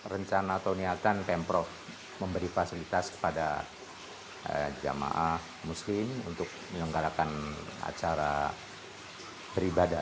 rencana atau niatan pemprov memberi fasilitas kepada jamaah muslim untuk menyelenggarakan acara beribadah